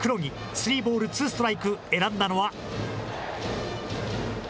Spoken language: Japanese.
スリーボール、ツーストライク、選んだのは。